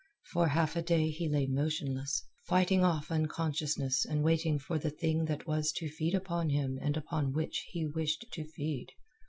For half a day he lay motionless, fighting off unconsciousness and waiting for the thing that was to feed upon him and upon which he wished to feed.